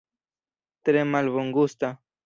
Tre malbongusta.